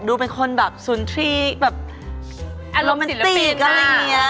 ดูเป็นคนแบบสุนทรีย์แบบโรแมนติกอะไรเงี้ย